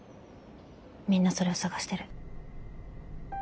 みんなそれを探してる。